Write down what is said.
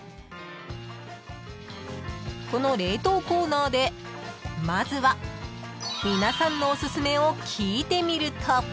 ［この冷凍コーナーでまずは皆さんのおすすめを聞いてみると］